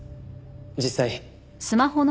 実際。